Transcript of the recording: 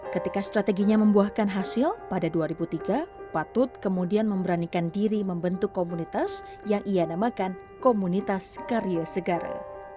ketika strateginya membuahkan hasil pada dua ribu tiga patut kemudian memberanikan diri membentuk komunitas yang ia namakan komunitas karya segara